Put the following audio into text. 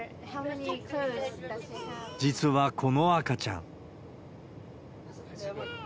実はこの赤ちゃん。